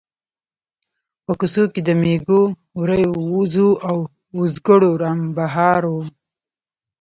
په کوڅو کې د مېږو، وريو، وزو او وزګړو رمبهار و.